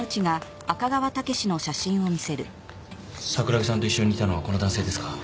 桜木さんと一緒にいたのはこの男性ですか？